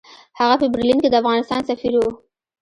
هغه په برلین کې د افغانستان سفیر وو.